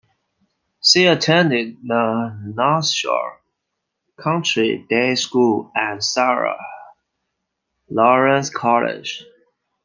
She attended the North Shore Country Day School and Sarah Lawrence College.